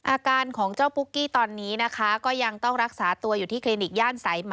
อาการของเจ้าปุ๊กกี้ตอนนี้นะคะก็ยังต้องรักษาตัวอยู่ที่คลินิกย่านสายไหม